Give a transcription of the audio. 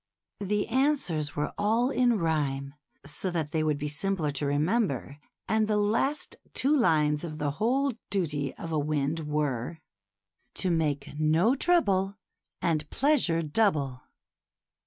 The answers were all in rhyme, so that they would be simpler to remember, and the last ' two lines of the whole duty of a wind were : 86 THE CHILDREN'S WONDER BOOK. " To make no trouble, And pleasure double."